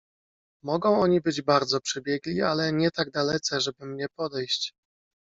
"Mogą oni być bardzo przebiegli, ale nie tak dalece, żeby mnie podejść."